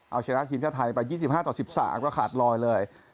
เอาชนะทีมชาติไทยไป๒๕ต่อ๑๓ก็ขาดลอยเลย